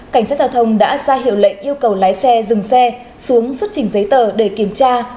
cảnh sát giao thông đã ra hiệu lệnh yêu cầu lái xe dừng xe xuống xuất trình giấy tờ để kiểm tra